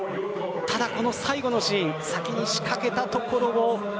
ただ、最後のシーン先に仕掛けたところ。